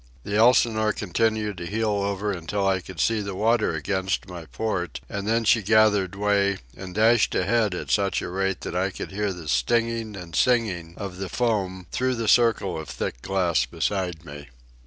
The Elsinore continued to heel over until I could see the water against my port, and then she gathered way and dashed ahead at such a rate that I could hear the stinging and singing of the foam through the circle of thick glass beside me.